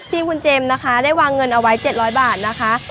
ทีมคุณเจมส์นะคะได้วางเงินเอาไว้๗๐๐บาทนะคะ